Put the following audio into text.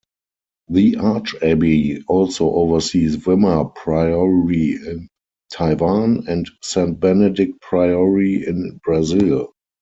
The Archabbey also oversees Wimmer Priory in Taiwan, and Saint Benedict Priory in Brazil.